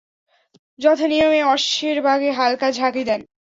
যথা নিয়মে অশ্বের বাগে হালকা ঝাঁকি দেন।